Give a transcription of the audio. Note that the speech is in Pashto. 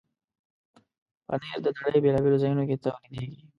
پنېر د نړۍ بیلابیلو ځایونو کې تولیدېږي.